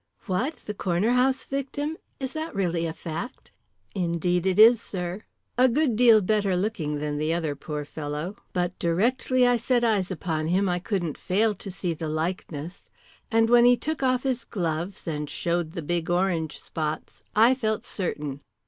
"What, the Corner House victim? Is that really a fact?" "Indeed it is, sir. A good deal better looking than the other poor fellow, but directly I set eyes upon him I couldn't fail to see the likeness. And when he took off his gloves, and showed the big orange spots, I felt certain."